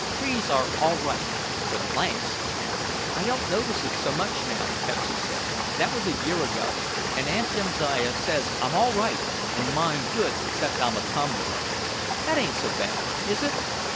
Trees are all right, but planks—" "I don't notice it so much now," Pepsy said; "that was a year ago and Aunt Jamsiah says I'm all right and mind good except I'm a tomboy. That ain't so bad, is it?